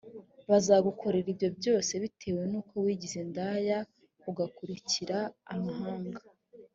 bazagukorera ibyo byose bitewe n uko wigize indaya ugakurikira amahanga